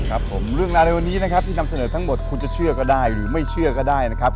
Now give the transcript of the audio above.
ครับผมเรื่องราวในวันนี้นะครับที่นำเสนอทั้งหมดคุณจะเชื่อก็ได้หรือไม่เชื่อก็ได้นะครับ